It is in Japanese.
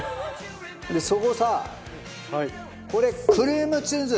そこさこれクリームチーズ。